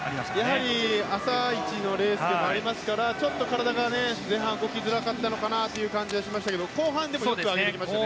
やはり朝一のレースでもありますからちょっと体が前半動きづらかったのかなという感じがしましたけど後半、上げてきましたね。